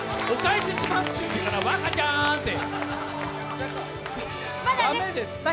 お返しします。